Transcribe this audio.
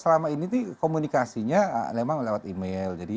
selama ini komunikasinya memang lewat email